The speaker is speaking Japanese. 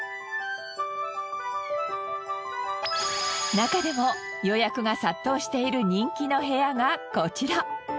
中でも予約が殺到している人気の部屋がこちら。